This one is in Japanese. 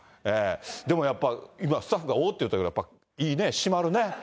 でもやっぱ、今、スタッフがおおって言ったけど、やっぱいいね、締まるね。